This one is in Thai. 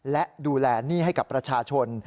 และดูแลหนี้ให้กับประชาชน